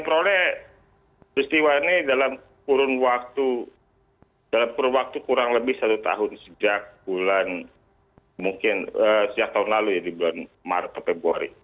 kami prolek peristiwa ini dalam kurun waktu kurang lebih satu tahun sejak bulan mungkin sejak tahun lalu ya di bulan maret atau februari